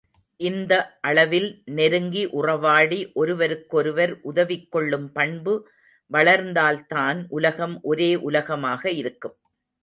இந்த அளவில் நெருங்கி உறவாடி ஒருவருக்கொருவர் உதவிக் கொள்ளும் பண்பு வளர்ந்தால்தான் உலகம் ஒரே உலகமாக இருக்கும்.